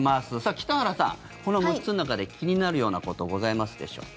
北原さん、この６つの中で気になるようなことございますでしょうか。